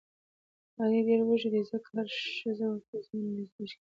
علي ډېر وږی دی ځکه هره ښځه ورته ځوانه نجیلۍ ښکاري.